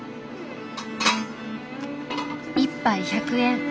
１杯１００円。